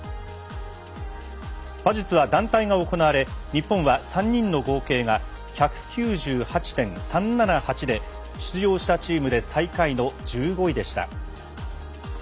馬術は団体が行われ日本は３人の合計が１９８．３７８で出場したチームで最下位の１５位でした。